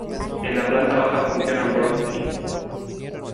En la planta baja funciona un Burger King.